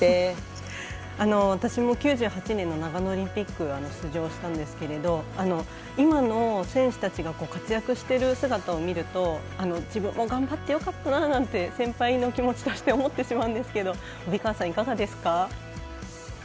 私も９８年長野オリンピック出場したんですけど今の選手たちが活躍してる姿を見ると自分も頑張ってよかったななんて先輩の気持ちとして思ってしまうんですけど帯川さん、いかがですか？